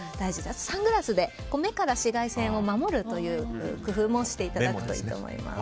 あとサングラスで目から紫外線を守るという工夫もしていただくといいと思います。